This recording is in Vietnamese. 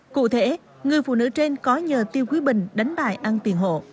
cụ thể người phụ nữ trên có nhờ tiêu quý bình đánh bài ăn tiền hộ